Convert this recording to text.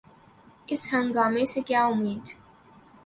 اس ہنگامے سے کیا امید؟